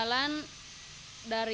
jualan kemana aja bu